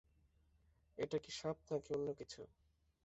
এটা কি সাপ না কি অন্য কিছু?